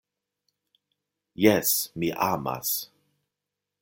Jes, mi amas.